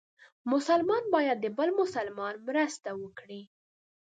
مسلمان باید د بل مسلمان مرسته وکړي.